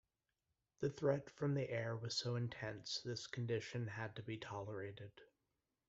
The threat from the air was so intense this condition had to be tolerated.